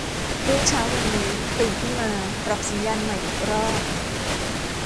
รุ่งเช้าวันนี้ ตื่นขึ้นมา ปรับสัญญาณใหม่อีกรอบ